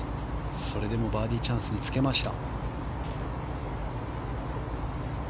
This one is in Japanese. それでもバーディーチャンスにつけました。